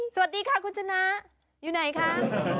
สวัสดีค่ะคุณชนะอยู่ไหนคะ